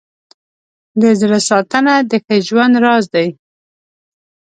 د زړه ساتنه د ښه ژوند راز دی.